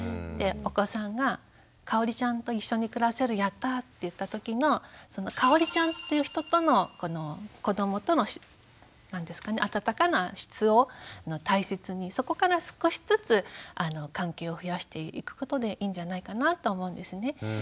でお子さんが「かおりちゃんと一緒に暮らせる。やった」って言った時のその「かおりちゃんという人」との子どもとの温かな質を大切にそこから少しずつ関係を増やしていくことでいいんじゃないかなと思うんですね。